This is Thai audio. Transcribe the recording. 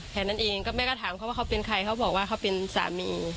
แค่นั้นเองก็แม่ก็ถามเขาว่าเขาเป็นใครเขาบอกว่าเขาเป็นสามี